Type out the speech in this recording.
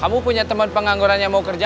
kamu punya teman pengangguran yang mau kerja